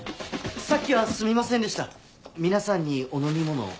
さっきはすみませんでした皆さんにお飲み物を。